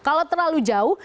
kalau terlalu jauh